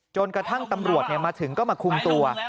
จนกระทั่งตำรวจมาถึงก็มาคุมตัว